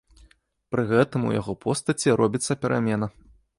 Пры гэтым у яго постаці робіцца перамена.